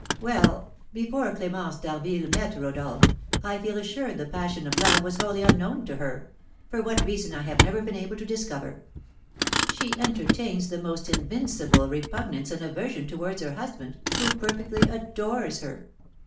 "Well, before Clémence d'Harville met Rodolph, I feel assured the passion of love was wholly unknown to her, for what reason I have never been able to discover. She entertains the most invincible repugnance and aversion towards her husband, who perfectly adores her.